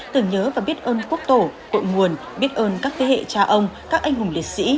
tưởng nhớ và biết ơn quốc tổ cội nguồn biết ơn các thế hệ cha ông các anh hùng liệt sĩ